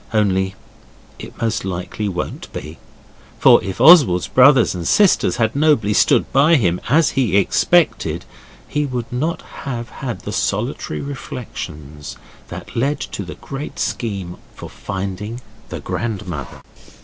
Only it most likely won't be. For if Oswald's brothers and sisters had nobly stood by him as he expected, he would not have had the solitary reflections that led to the great scheme for finding the grandmother.